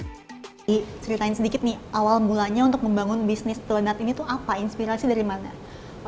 diceritain sedikit nih awal mulanya untuk membangun bisnis donat ini tuh apa inspirasi dari mana